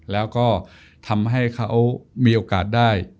แล้วก็ทำให้เขามีโอกาสได้